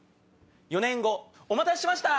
４年後お待たせしました！